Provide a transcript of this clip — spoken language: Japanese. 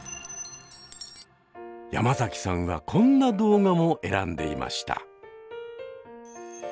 山崎さんはこんな動画も選んでいました。